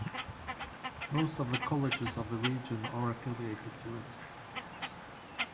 Most of the colleges of the region are affiliated to it.